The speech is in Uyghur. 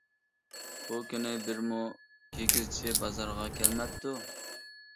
ئۇ كۈنى بىرمۇ كىگىزچى بازارغا كەلمەپتۇ.